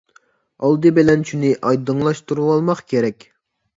ئالدى بىلەن شۇنى ئايدىڭلاشتۇرۇۋالماق كېرەك.